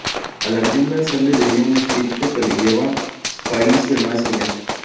Al abrirla, sale de ella un espíritu que le lleva "país del más allá".